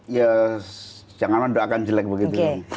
ya jangan mendoakan jelek begitu